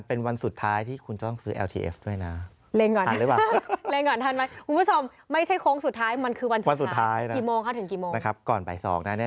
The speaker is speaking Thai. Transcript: เพราะว่าตลาดหุ้นไทยนี่